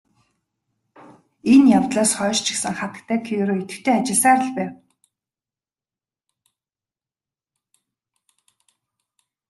Энэ явдлаас хойш ч гэсэн хатагтай Кюре идэвхтэй ажилласаар л байв.